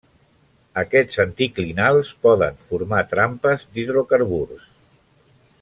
Aquests anticlinals poden formar trampes d'hidrocarburs.